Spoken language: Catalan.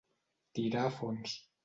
Tirar a fons.